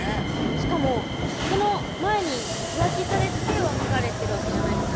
しかもその前に浮気されて別れてるわけじゃないですか